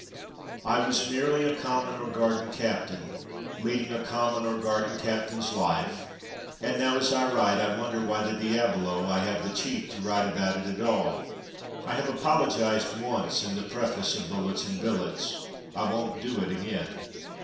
I was merely a common or garden captain, leading a common or garden captain's life, Machine Gun Training 6i and now as I write I wonder why the diabolo I have the cheek to write about it at all. I have apologized once in the preface of Bullets and Billets. I won't do it again.